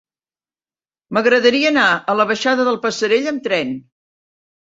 M'agradaria anar a la baixada del Passerell amb tren.